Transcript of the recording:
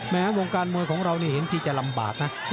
แม้วงการมวยเห็นที่จะลำบากนะ